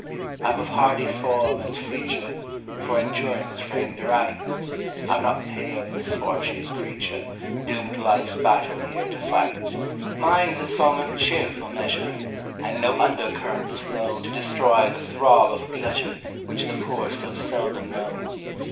I'm of hardy form and feature, For endurance framed aright; I'm not pale misfortune's creature, Doomed life's battle here to fight: Mine's a song of cheerful measure, And no under currents flow To destroy the throb of pleasure Which the poor so seldom know.